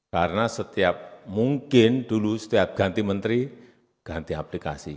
karena mungkin dulu setiap ganti menteri ganti aplikasi